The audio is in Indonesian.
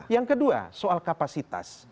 yang kedua soal kapasitas